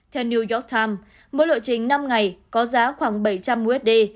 theo new york times mỗi lộ trình năm ngày có giá khoảng bảy trăm linh usd